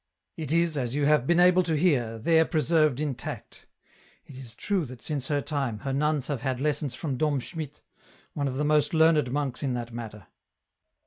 " It is, as you have been able to hear, there preserved intact ; it is true that since her time, her nuns have had lesson? from Dom Schmitt, one of the most learned monks in that matter.